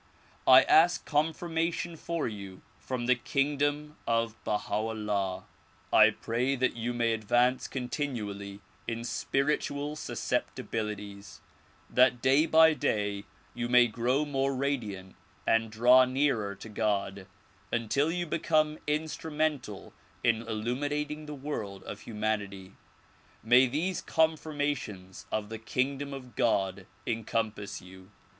I ask confirma tion for you from the kingdom of Baha 'Ullah. I pray that DISCOURSES DELIVERED IN BOSTON 135 you may advance continually in spiritual susceptibilities, that day by day you may grow more radiant and draw nearer to God until you become instrumental in illumining the world of humanity. May these confirniations of the kingdom of God encompass you.